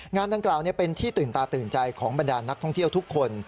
งานดังกล่าวเป็นที่ตื่นตาตื่นใจของบรรดานนักท่องเที่ยวทุกคน